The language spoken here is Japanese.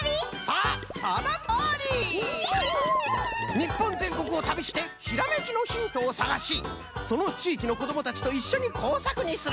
日本全国を旅してひらめきのヒントを探しその地域の子どもたちといっしょに工作にする。